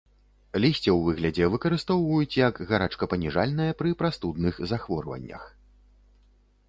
Лісце ў выглядзе выкарыстоўваюць як гарачкапаніжальнае пры прастудных захворваннях.